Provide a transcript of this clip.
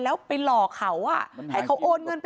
แล้วไปหลอกเขาให้เขาโอนเงินไป